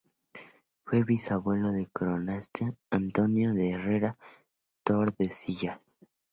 Fue bisabuelo del cronista Antonio de Herrera y Tordesillas.